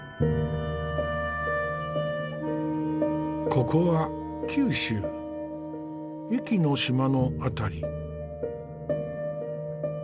ここは九州壱岐島の辺り。